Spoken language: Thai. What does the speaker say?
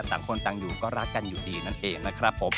ต่างคนต่างอยู่ก็รักกันอยู่ดีนั่นเองนะครับผม